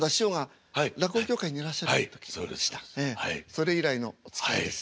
それ以来のおつきあいです。